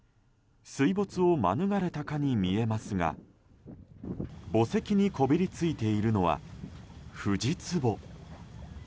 水没を免れたかに見えますが墓石にこびりついているのはフジツボ。